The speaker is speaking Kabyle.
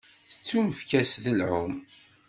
Tettunefk-as deg lεum.